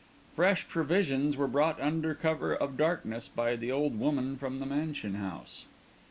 Fresh provisions were brought under cover of darkness by the old woman from the mansion house.